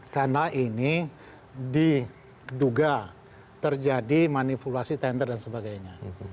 karena ini diduga terjadi manipulasi tender dan sebagainya